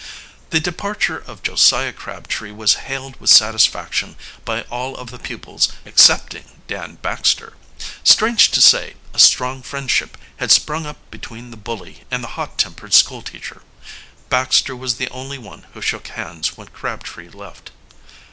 The departure of Josiah Crabtree was hailed with satisfaction by all of the pupils excepting Dan Baxter. Strange to say, a strong friendship had sprung up between the bully and the hot tempered school teacher. Baxter was the only one who shook hands when Crabtree left.